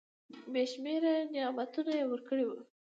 بي شمیره نعمتونه یې ورکړي .